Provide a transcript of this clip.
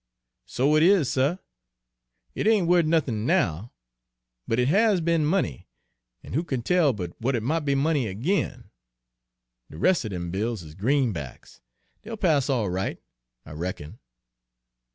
"So it is, suh. It ain't wuth nothin' now; but it has be'n money, an' who kin tell but what it mought be money agin? De rest er dem bills is greenbacks, dey'll pass all right, I reckon."